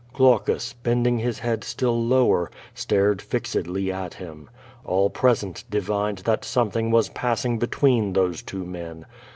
Glaucus, bending his head still lower, stared fixedly at him. All present divined that something was passing between those two men.